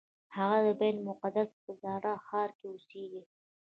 هغه د بیت المقدس په زاړه ښار کې اوسېږي.